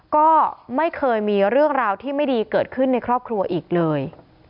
ก็ไม่เคยมีเรื่องราวที่ไม่ดีเกิดขึ้นในครอบครัวอีกเลย